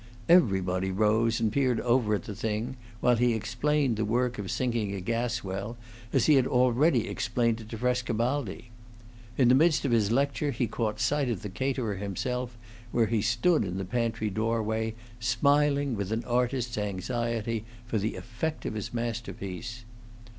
Everybody rose and peered over at the thing, while he explained the work of sinking a gas well, as he had already explained it to Frescobaldi. In the midst of his lecture he caught sight of the caterer himself, where he stood in the pantry doorway, smiling with an artist's anxiety for the effect of his masterpiece.